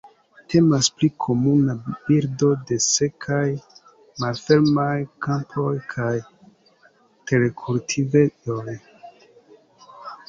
Temas pri komuna birdo de sekaj malfermaj kampoj kaj terkultivejoj.